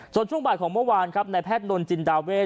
ส่วนช่วงบ่ายของเมื่อวานครับในแพทย์นนจินดาเวท